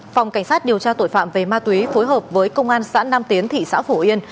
phòng cảnh sát điều tra tội phạm về ma túy phối hợp với công an xã nam tiến thị xã phổ yên